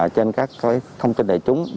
trên các thông tin đại chúng